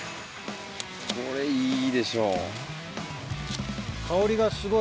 これいいでしょ。